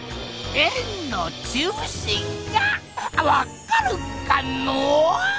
円の中心がわっかるかなぁ？